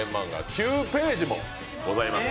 ９ページもございます。